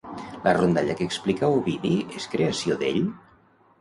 La rondalla que explica Ovidi és creació d'ell?